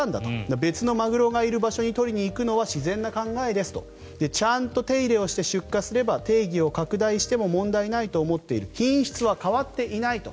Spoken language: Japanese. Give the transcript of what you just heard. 別のマグロがいる場所に取りに行くのは自然な考えですとちゃんと手入れをして出荷すれば定義を拡大しても問題ないと思っている品質は変わっていないと。